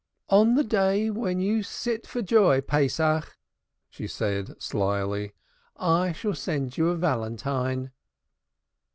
"On the day when you sit for joy, Pesach," she said slily. "I shall send you a valentine."